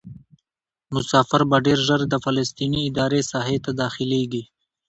مسافر به ډېر ژر د فلسطیني ادارې ساحې ته داخلیږي.